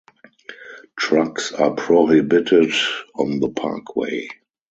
Trucks are prohibited on the parkway.